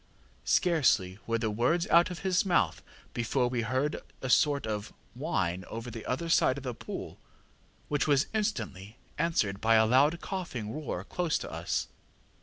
ŌĆ£Scarcely were the words out of his mouth before we heard a sort of whine over the other side of the pool, which was instantly answered by a loud coughing roar close to us.